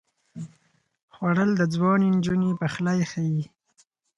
خوړل د ځوانې نجونې پخلی ښيي